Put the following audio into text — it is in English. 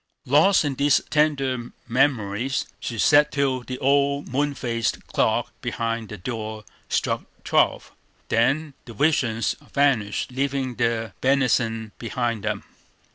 Lost in these tender memories, she sat till the old moon faced clock behind the door struck twelve, then the visions vanished, leaving their benison behind them.